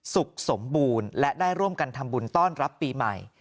สุขสมบูรณ์และได้ร่วมกันทำบุญต้อนรับปีใหม่